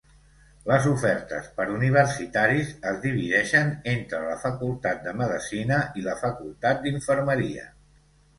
Les ofertes per universitaris es divideixen entre la Facultat de Medecina i la Facultat d'Infermeria.